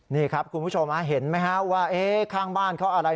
นี่ครับคุณผู้ชมเห็นไหมฮะว่าข้างบ้านเขาอะไร